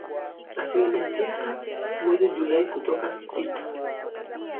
Asilimia tisa mwezi Julai kutoka sita.